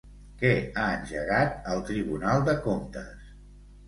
Què ha engegat el Tribunal de Comptes?